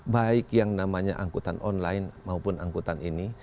baik yang namanya angkutan online maupun angkutan ini